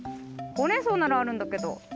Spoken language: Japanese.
ほうれんそうならあるんだけど。